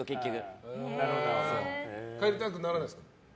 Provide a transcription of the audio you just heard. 帰りたくならないですか？